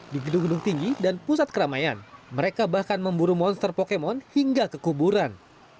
di gedung gedung tinggi dan pusat keramaian mereka bahkan memburu monster pokemon hingga ke kuburan